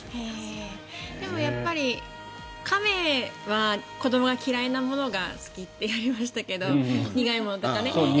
でもやっぱり亀は子どもが嫌いなものは好きとやりましたけど苦いものとかね。